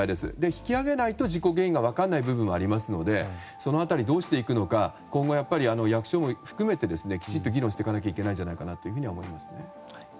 引き揚げないと事故原因が分からない部分もありますのでその辺りどうしていくのか今後、役所も含めてきちっと議論していかないといけないと思います。